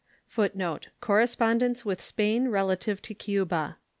GRANT. [Footnote 98: Correspondence with Spain relative to Cuba.